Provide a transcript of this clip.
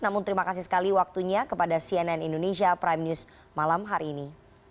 namun terima kasih sekali waktunya kepada cnn indonesia prime news malam hari ini